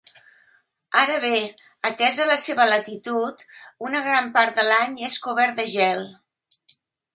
Ara bé, atesa la seva latitud, una gran part de l'any és cobert de gel.